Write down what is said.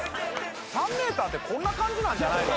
３メーターってこんな感じなんじゃないの？